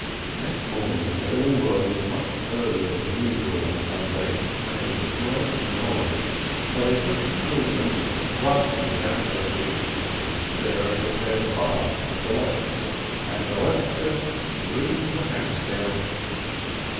Next morning they all rose much earlier than usual on a Sunday, and there was a great noise, for they took the children and scrubbed them without mercy. Sarah prepared a bath for Doletzke, and Doletzke screamed the house down.